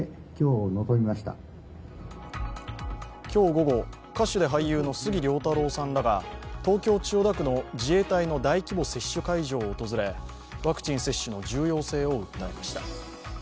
今日午後、歌手で俳優の杉良太郎さんらが東京・千代田区の自衛隊の大規模接種会場を訪れワクチン接種の重要性を訴えました。